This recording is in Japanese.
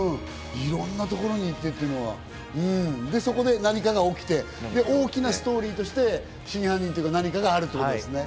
いろんなところに行ってっていうのは、そこで何かが起きて、大きなストーリーとして真犯人と何かがあると。